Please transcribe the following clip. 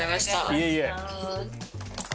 いえいえ。